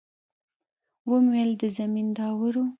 ومې ويل د زمينداورو.